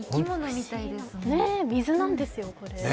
水なんですよ、これ。